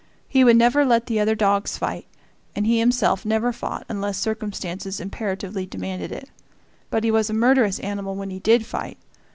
He would never let the other dogs fight, and he himself never fought unless circumstances imperatively demanded it; but he was a murderous animal when he did fight.